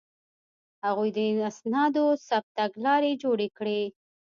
هغوی د اسنادو د ثبت تګلارې جوړې کړې.